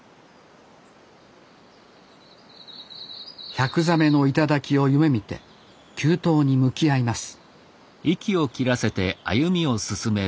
１００座目の頂を夢みて急登に向き合います